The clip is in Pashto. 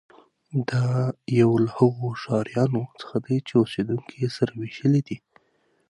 دا یو له هغو ښارونو څخه دی چې اوسېدونکي یې سره وېشلي دي.